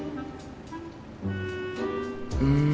うん。